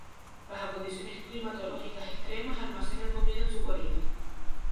Bajo condiciones climatológicas extremas almacenan comida en su guarida.